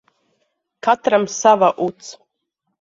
Katram sava uts.